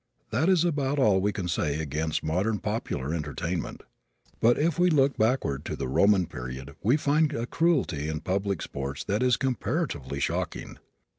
That is about all we can say against modern popular entertainment. But if we look backward to the Roman period we find a cruelty in public sports that is comparatively shocking.